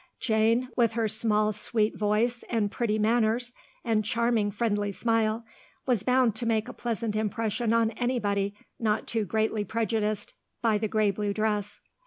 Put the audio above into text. Jane, with her small sweet voice and pretty manners and charming, friendly smile, was bound to make a pleasant impression on anybody not too greatly prejudiced by the grey blue dress.